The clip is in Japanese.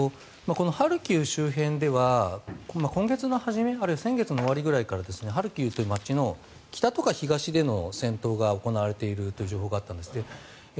このハルキウ周辺では今月初めあるいは先月終わりくらいからハルキウという村の北とか東で戦闘が行われているという情報があったんです。